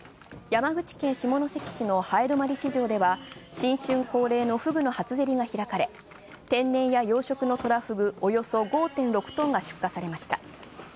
山口県下関市の南風泊市場では新春恒例のフグの初競りが開かれ、養殖のトラフグおよそ５．６トンが出荷されました。